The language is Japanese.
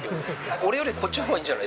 俺よりこっちのほうがいいんじゃない。